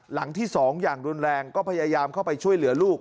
หลังที่๒อย่างรุนแรงก็พยายามเข้าไปช่วยเหลือลูก